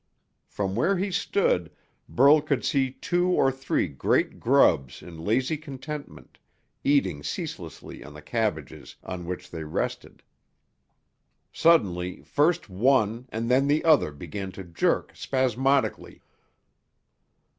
From where he stood, Burl could see two or three great grubs in lazy contentment, eating ceaselessly on the cabbages on which they rested. Suddenly first one and then the other began to jerk spasmodically.